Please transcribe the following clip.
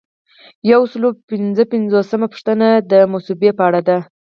یو سل او پنځه پنځوسمه پوښتنه د مصوبې په اړه ده.